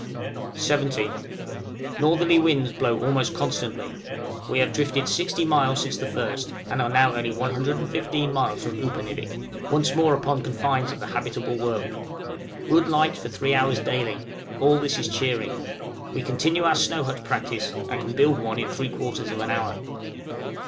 17th. Northerly winds blow almost constantly. We have drifted 60 miles since the 1st, and are only 115 miles from Upernivik, once more upon confines of the habitable world! good light for three hours daily; all this is cheering. We continue our snow hut practice, and can build one in three quarters of an hour.